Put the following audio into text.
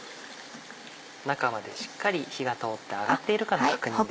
中までしっかり火が通って揚がっているかの確認です。